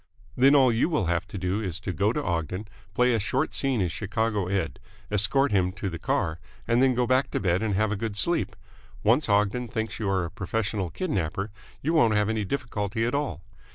Then all you will have to do is to go to Ogden, play a short scene as Chicago Ed., escort him to the car, and then go back to bed and have a good sleep. Once Ogden thinks you are a professional kidnapper, you won't have any difficulty at all.